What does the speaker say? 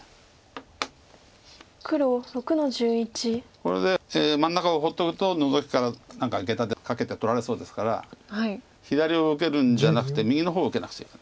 これで真ん中を放っとくとノゾキから何かゲタでカケて取られそうですから左を受けるんじゃなくて右の方を受けなくちゃいけない。